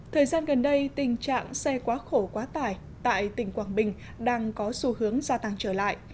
thời gian gần đây tình trạng xe quá khổ quá tải tại tỉnh quảng bình đang có xu hướng gia tăng trở lại